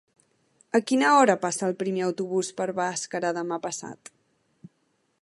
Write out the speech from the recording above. A quina hora passa el primer autobús per Bàscara demà passat?